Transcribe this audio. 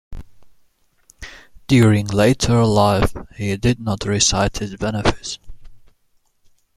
During later life he did not reside in his benefice.